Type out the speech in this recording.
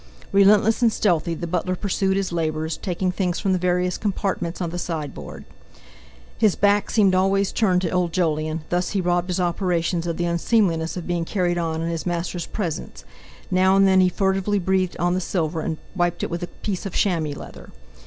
Relentless and stealthy, the butler pursued his labours, taking things from the various compartments of the sideboard. His back seemed always turned to old Jolyon; thus, he robbed his operations of the unseemliness of being carried on in his master's presence; now and then he furtively breathed on the silver, and wiped it with a piece of chamois leather.